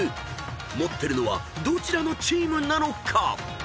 ［持ってるのはどちらのチームなのか⁉］